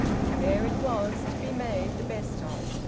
There it was, to be made the best of!